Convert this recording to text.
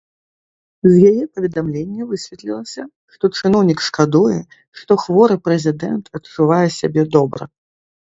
З яе паведамлення высветлілася, што чыноўнік шкадуе, што хворы прэзідэнт адчувае сябе добра.